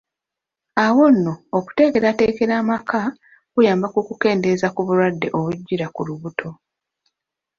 Awo nno, okuteekerateekera amaka kuyamba ku kukendeeza ku bulwadde obujjira ku lubuto.